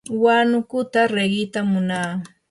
huanukuta riqitam munaa.